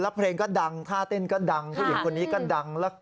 แล้วเพลงก็ดังท่าเต้นก็ดังผู้หญิงคนนี้ก็ดัง